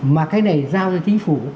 mà cái này giao cho chính phủ